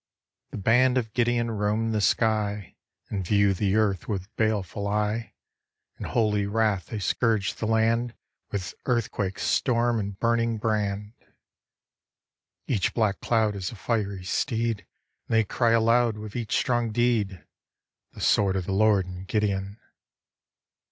The band of Gideon roam the sky And view the earth with baleful eye; In holy wrath they scourge the land With earthquake, storm and burning brand. Each black cloud Is a fiery steed. And they cry aloud With each strong deed, "The sword of the Lord and Gideon."